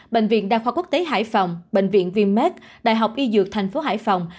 bệnh viện đa khoa quốc tế hải phòng bệnh viện viêm mét đại học y dược thành phố hải phòng